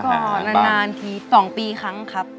ก็นานที๒ปีครั้งครับ